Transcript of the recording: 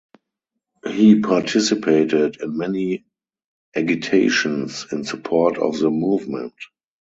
He participated in many agitations in support of the movement.